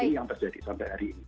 ini yang terjadi sampai hari ini